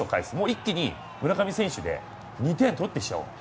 一気に村上選手で２点取ってきちゃおう。